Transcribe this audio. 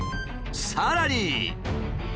さらに。